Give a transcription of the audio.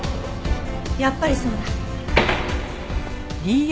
やっぱりそうだ。